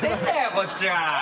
こっちは！